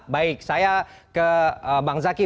baik saya ke bang zaky